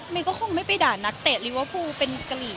เมย์ก็คงไม่ไปด่านักเตะรีเวอร์ปูเป็นการีต